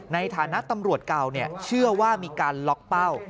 ในฐานะตำรวจเก่าเชื่อว่ามีการล็อกเป้า